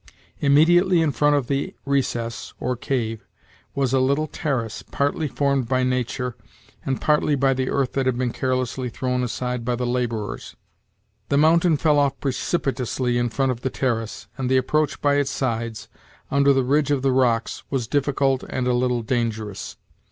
Immediately in front of the recess, or cave, was a little terrace, partly formed by nature, and partly by the earth that had been carelessly thrown aside by the laborers. The mountain fell off precipitously in front of the terrace, and the approach by its sides, under the ridge of the rocks, was difficult and a little dangerous.